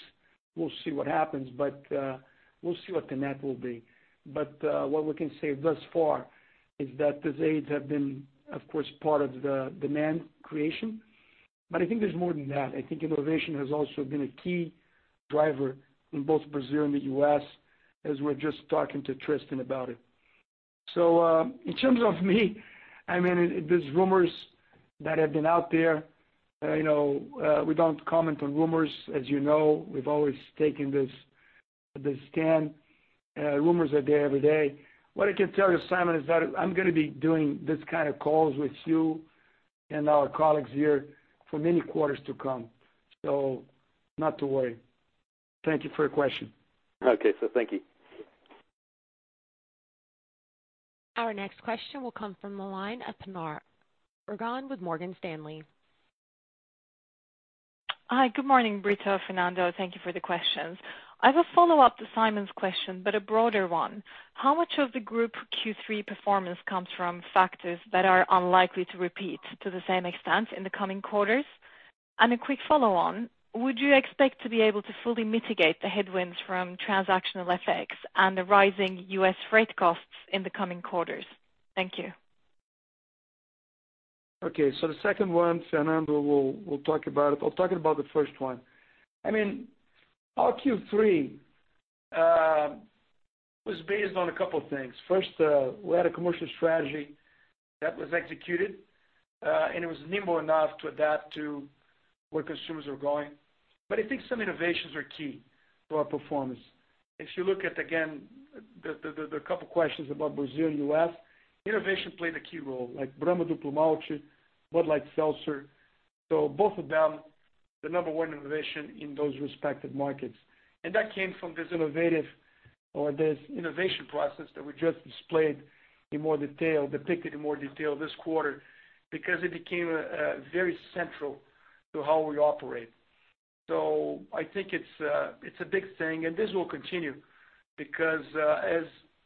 we'll see what happens. We'll see what the net will be. What we can say thus far is that these aids have been, of course, part of the demand creation. I think there's more than that. I think innovation has also been a key driver in both Brazil and the U.S., as we're just talking to Tristan about it. In terms of me, there's rumors that have been out there. We don't comment on rumors. As you know, we've always taken this stand. Rumors are there every day. What I can tell you, Simon, is that I'm going to be doing these kind of calls with you and our colleagues here for many quarters to come. Not to worry. Thank you for your question. Okay, sir. Thank you. Our next question will come from the line of Pinar Ergun with Morgan Stanley. Hi, good morning, Brito, Fernando. Thank you for the questions. I have a follow-up to Simon's question, but a broader one. How much of the group Q3 performance comes from factors that are unlikely to repeat to the same extent in the coming quarters? A quick follow-on, would you expect to be able to fully mitigate the headwinds from transactional FX and the rising U.S. freight costs in the coming quarters? Thank you. Okay. The second one, Fernando will talk about it. I'll talk about the first one. Our Q3 was based on a couple of things. First, we had a commercial strategy that was executed, and it was nimble enough to adapt to where consumers are going. I think some innovations are key to our performance. If you look at, again, the couple of questions about Brazil and U.S., innovation played a key role, like Brahma Duplo Malte, Bud Light Seltzer. Both of them, the number one innovation in those respective markets. That came from this innovative or this innovation process that we just displayed in more detail, depicted in more detail this quarter because it became very central to how we operate. I think it's a big thing, and this will continue because as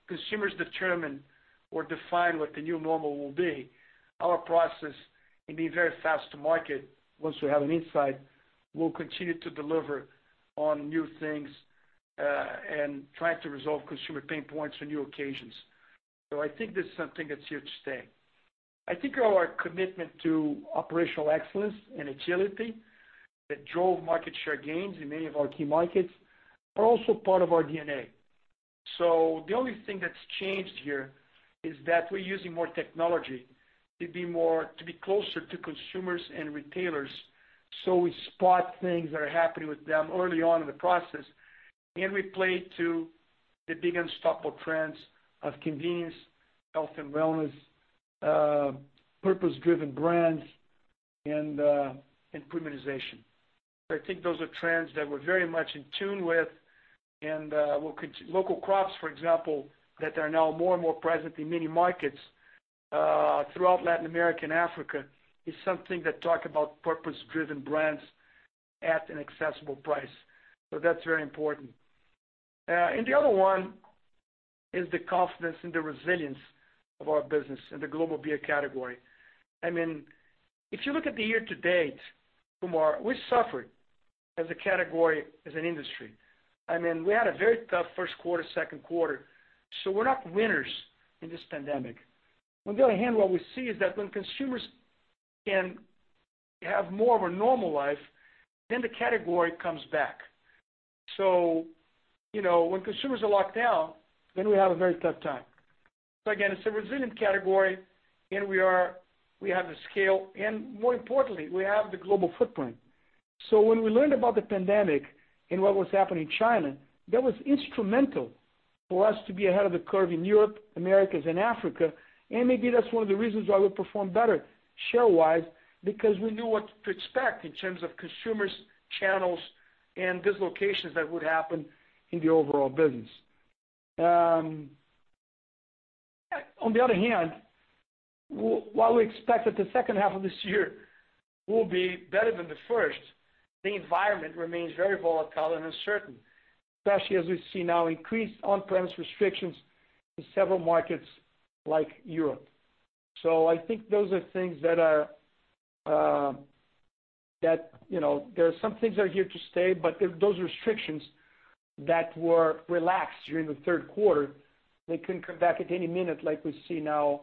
consumers determine or define what the new normal will be, our process in being very fast to market once we have an insight, will continue to deliver on new things, and try to resolve consumer pain points on new occasions. I think this is something that's here to stay. I think our commitment to operational excellence and agility that drove market share gains in many of our key markets are also part of our DNA. The only thing that's changed here is that we're using more technology to be closer to consumers and retailers, so we spot things that are happening with them early on in the process, and we play to the big unstoppable trends of convenience, health and wellness, purpose-driven brands, and premiumization. I think those are trends that we're very much in tune with. Local crops, for example, that are now more and more present in many markets throughout Latin America and Africa, is something that talk about purpose-driven brands at an accessible price. That's very important. The other one is the confidence and the resilience of our business in the global Beer category. If you look at the year to date, Pinar, we suffered as a category, as an industry. We had a very tough first quarter, second quarter. We're not winners in this pandemic. On the other hand, what we see is that when consumers can have more of a normal life, then the category comes back. When consumers are locked down, then we have a very tough time. Again, it's a resilient category, and we have the scale, and more importantly, we have the global footprint. When we learned about the pandemic and what was happening in China, that was instrumental for us to be ahead of the curve in Europe, Americas, and Africa. Maybe that's one of the reasons why we performed better share-wise, because we knew what to expect in terms of consumers, channels, and dislocations that would happen in the overall business. On the other hand, while we expect that the second half of this year will be better than the first, the environment remains very volatile and uncertain, especially as we see now increased on-premise restrictions in several markets like Europe. I think those are things that there are some things that are here to stay, but those restrictions that were relaxed during the third quarter, they can come back at any minute like we see now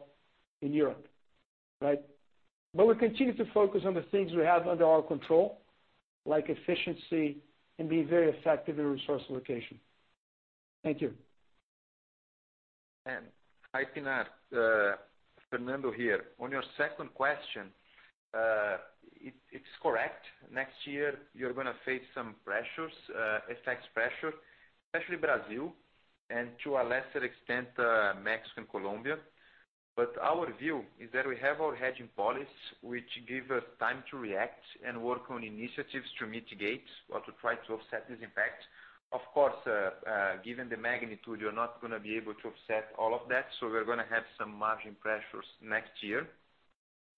in Europe. Right. We continue to focus on the things we have under our control, like efficiency, and be very effective in resource allocation. Thank you. Hi, Pinar. Fernando here. On your second question, it's correct. Next year, you're going to face some pressures, a tax pressure, especially Brazil, and to a lesser extent, Mexico and Colombia. Our view is that we have our hedging policies, which give us time to react and work on initiatives to mitigate or to try to offset this impact. Of course, given the magnitude, you're not going to be able to offset all of that, we're going to have some margin pressures next year.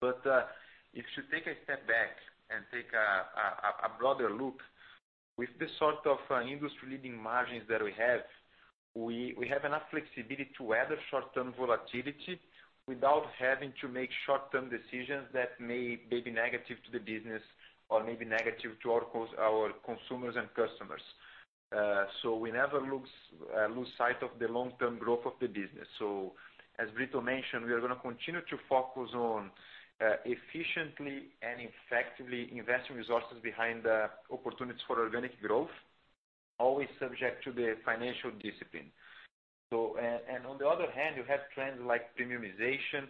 If you take a step back and take a broader look, with the sort of industry-leading margins that we have, we have enough flexibility to weather short-term volatility without having to make short-term decisions that may be negative to the business or may be negative to our consumers and customers. We never lose sight of the long-term growth of the business. As Brito mentioned, we are going to continue to focus on efficiently and effectively investing resources behind the opportunities for organic growth, always subject to the financial discipline. On the other hand, you have trends like premiumization,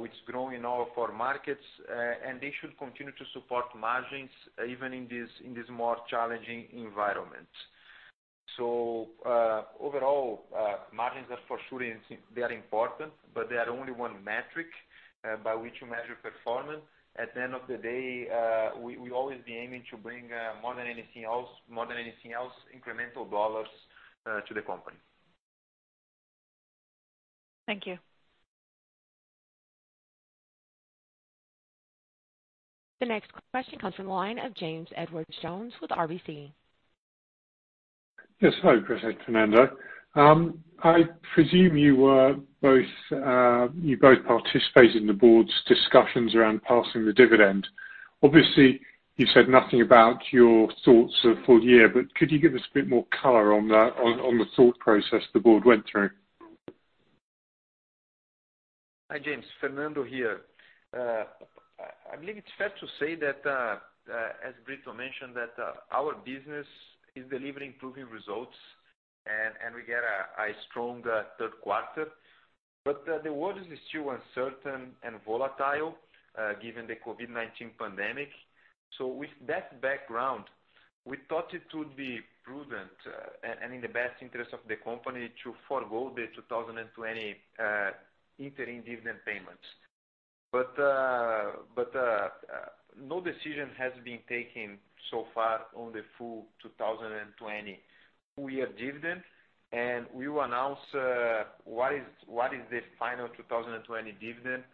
which is growing in all four markets, and they should continue to support margins even in this more challenging environment. Overall, margins are for sure, they are important, but they are only one metric by which you measure performance. At the end of the day, we'll always be aiming to bring more than anything else, incremental dollars to the company. Thank you. The next question comes from the line of James Edwardes Jones with RBC. Yes. Hello, Brito and Fernando. I presume you both participated in the board's discussions around passing the dividend. Obviously, you said nothing about your thoughts for the full year, could you give us a bit more color on the thought process the board went through? Hi, James. Fernando here. I believe it's fair to say that, as Brito mentioned, that our business is delivering improving results and we get a strong third quarter. No decision has been taken so far on the full 2020 full year dividend. We will announce what is the final 2020 dividend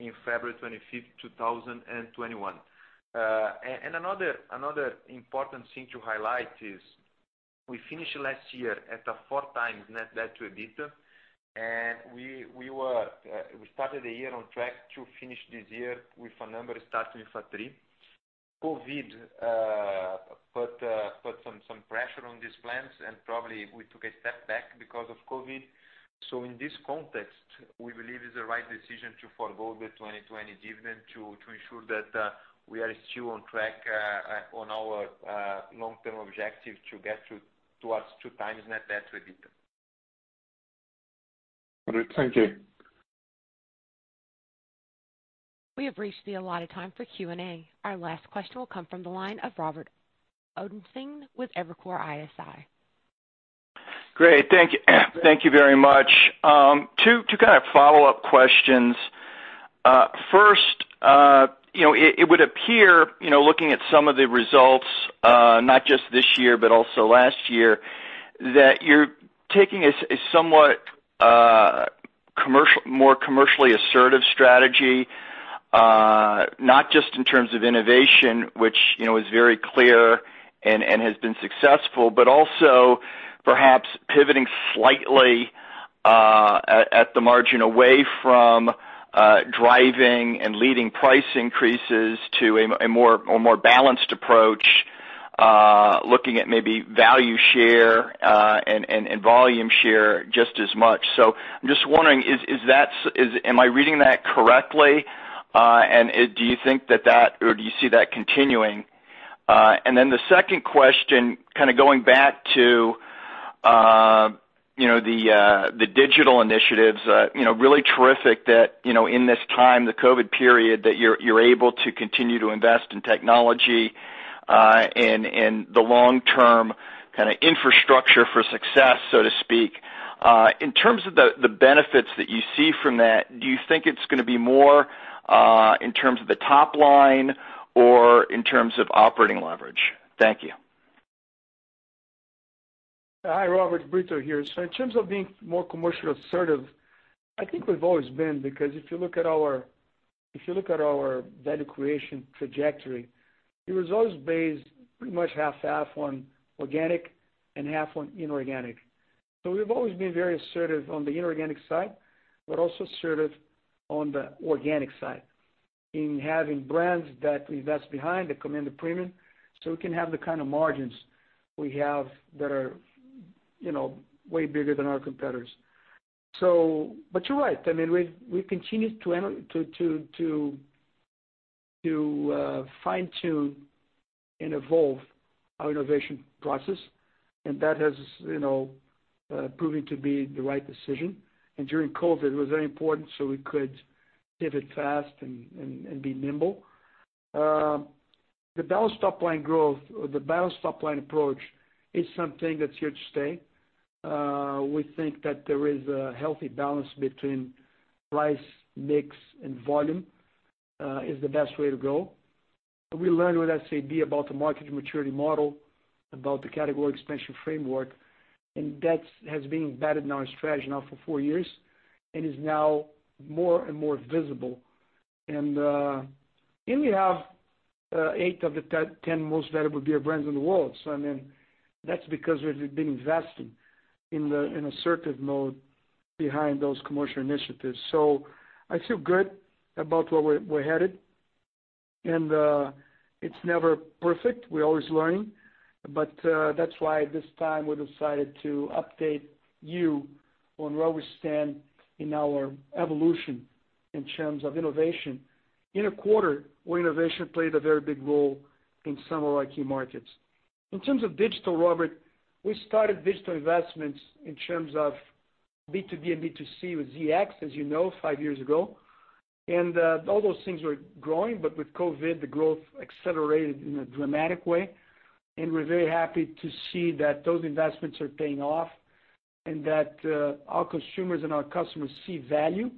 on February 25th, 2021. Another important thing to highlight is we finished last year at a 4x net debt to EBITDA. We started the year on track to finish this year with a number starting with a three. COVID put some pressure on these plans. Probably we took a step back because of COVID. In this context, we believe it's the right decision to forgo the 2020 dividend to ensure that we are still on track on our long-term objective to get towards 2x net debt to EBITDA. Great. Thank you. We have reached the allotted time for Q&A. Our last question will come from the line of Robert Ottenstein with Evercore ISI. Great. Thank you very much. Two kind of follow-up questions. First, it would appear, looking at some of the results, not just this year, but also last year, that you're taking a somewhat more commercially assertive strategy. Not just in terms of innovation, which is very clear and has been successful, but also perhaps pivoting slightly at the margin away from driving and leading price increases to a more balanced approach, looking at maybe value share and volume share just as much. I'm just wondering, am I reading that correctly? Do you think that or do you see that continuing? The second question, kind of going back to the digital initiatives. Really terrific that in this time, the COVID period, that you're able to continue to invest in technology, and the long-term kind of infrastructure for success, so to speak. In terms of the benefits that you see from that, do you think it's going to be more in terms of the top line or in terms of operating leverage? Thank you. Hi, Robert. Brito here. In terms of being more commercially assertive, I think we've always been, because if you look at our value creation trajectory, it was always based pretty much half on organic and half on inorganic. We've always been very assertive on the inorganic side, but also assertive on the organic side in having brands that we invest behind that command a premium, so we can have the kind of margins we have that are way bigger than our competitors. You're right. We continue to fine-tune and evolve our innovation process, and that has proven to be the right decision. During COVID, it was very important, so we could pivot fast and be nimble. The balanced top line approach is something that's here to stay. We think that there is a healthy balance between price, mix, and volume, is the best way to go. We learned with SAB about the market maturity model, about the category expansion framework, and that has been embedded in our strategy now for four years and is now more and more visible. We have eight of the 10 most valuable Beer brands in the world. That's because we've been investing in assertive mode behind those commercial initiatives. I feel good about where we're headed. It's never perfect. We're always learning. That's why this time we decided to update you on where we stand in our evolution in terms of innovation in a quarter where innovation played a very big role in some of our key markets. In terms of digital, Robert, we started digital investments in terms of B2B and B2C with ZX, as you know, five years ago. All those things were growing, but with COVID, the growth accelerated in a dramatic way, and we're very happy to see that those investments are paying off and that our consumers and our customers see value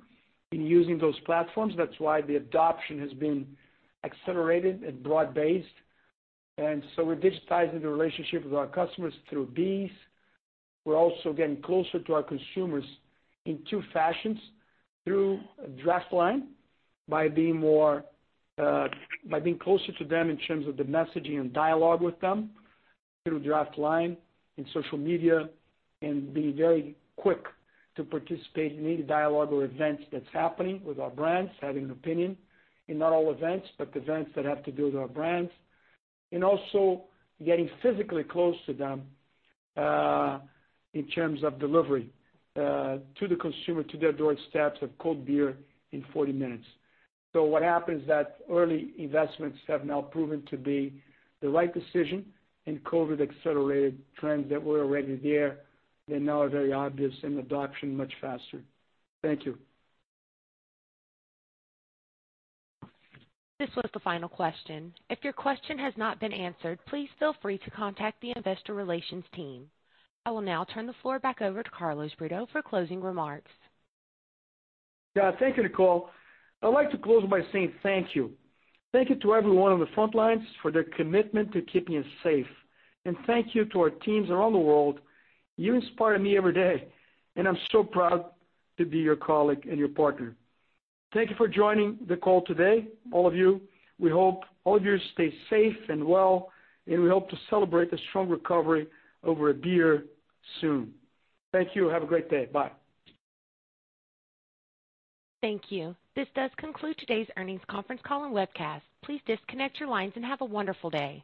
in using those platforms. That's why the adoption has been accelerated and broad-based. We're digitizing the relationship with our customers through these. We're also getting closer to our consumers in two fashions, through draftLine, by being closer to them in terms of the messaging and dialogue with them through draftLine and social media, and being very quick to participate in any dialogue or events that's happening with our brands, having an opinion in not all events, but events that have to do with our brands. Also getting physically close to them, in terms of delivery to the consumer, to their doorsteps of cold Beer in 40 minutes. What happens is that early investments have now proven to be the right decision, and COVID accelerated trends that were already there. They now are very obvious and adoption much faster. Thank you. This was the final question. If your question has not been answered, please feel free to contact the investor relations team. I will now turn the floor back over to Carlos Brito for closing remarks. Thank you, Nicole. I'd like to close by saying thank you. Thank you to everyone on the front lines for their commitment to keeping us safe. Thank you to our teams around the world. You inspire me every day, and I'm so proud to be your colleague and your partner. Thank you for joining the call today, all of you. We hope all of you stay safe and well, and we hope to celebrate the strong recovery over a Beer soon. Thank you. Have a great day. Bye. Thank you. This does conclude today's earnings conference call and webcast. Please disconnect your lines and have a wonderful day.